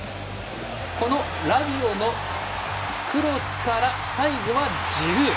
このラビオのクロスから最後はジルー。